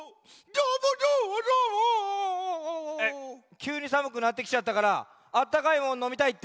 きゅうにさむくなってきちゃったからあったかいもののみたいって？